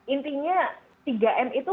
intinya tiga m itu